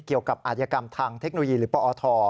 เกี่ยวกับอาธิกรรมทางเทคโนยีหรือปธ